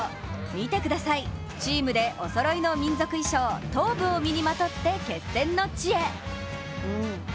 見てください、チームでおそろいの民族衣装・トーブを身にまとって決戦の地へ。